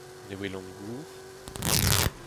Ne welan gour.